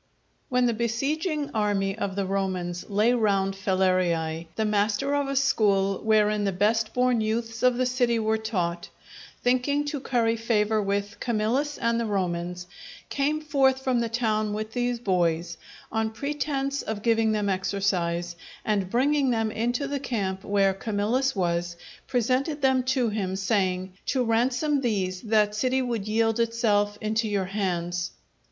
_ When the besieging army of the Romans lay round Falerii, the master of a school wherein the best born youths of the city were taught, thinking to curry favour with Camillus and the Romans, came forth from the town with these boys, on pretence of giving them exercise, and bringing them into the camp where Camillus was, presented them to him, saying, "_To ransom these that city would yield itself into your hands.